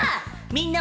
みんな！